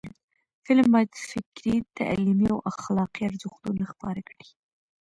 فلم باید فکري، تعلیمي او اخلاقی ارزښتونه خپاره کړي